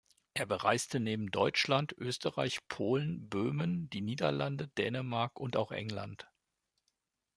Er bereiste neben Deutschland, Österreich, Polen, Böhmen, die Niederlande, Dänemark und auch England.